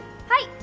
はい。